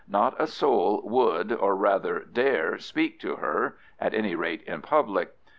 Not a soul would or rather dare speak to her—at any rate in public.